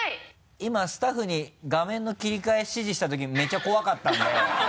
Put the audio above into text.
今スタッフに画面の切り替え指示した時めちゃ怖かったんで。